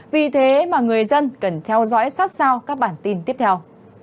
vì thế mà người dân cần theo dõi sát sao các bản tin tiếp theo